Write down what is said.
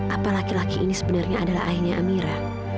apa laki laki ini sebenarnya adalah ayahnya amira